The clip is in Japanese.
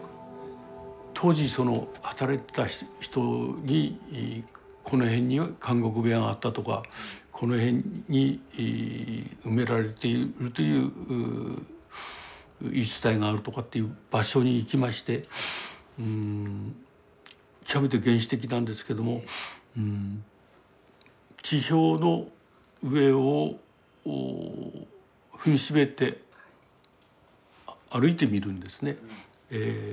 当時その働いてた人にこの辺に監獄部屋があったとかこの辺に埋められているという言い伝えがあるとかっていう場所に行きまして極めて原始的なんですけども地表の上を踏みしめて歩いてみるんですねええ。